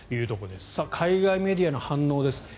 海外メディアの反応です。